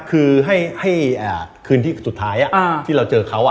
คือให้คืนที่สุดท้ายที่เราเจอเขา